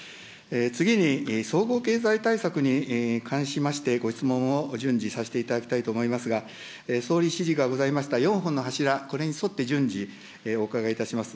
次に、総合経済対策に関しましてご質問を順次させていただきたいと思いますが、総理指示がございました４本の柱、これに沿って順次、お伺いいたします。